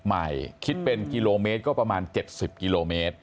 ใหม่คิดเป็นกิโลเมตรก็ประมาณ๗๐กิโลเมตร